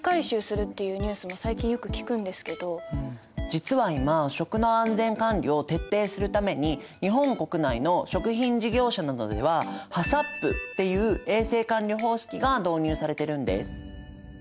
でも実は今食の安全管理を徹底するために日本国内の食品事業者などではＨＡＣＣＰっていう衛生管理方式が導入されてるんです。